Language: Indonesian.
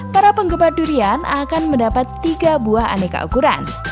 para penggemar durian akan mendapat tiga buah aneka ukuran